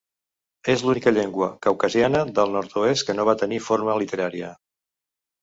És l'única llengua caucasiana del nord-oest que no va tenir forma literària.